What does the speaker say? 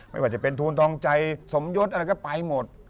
ไม่ว่าจะเป็นทูลทองใจสมยศทั้งหมด